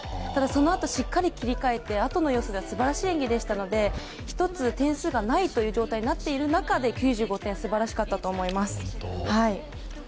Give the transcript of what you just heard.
そのあと、しっかり切り替えてあとの演技はすばらしい様子でしたので１つ点数がないという状態になっている中で９５点、すばらしかったと思います。